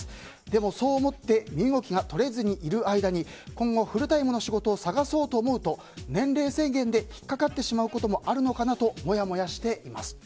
でも、そう思って身動きが取れずにいる間に今後、フルタイムの仕事を探そうと思うと年齢制限で引っかかってしまうこともあるのかなとモヤモヤしています。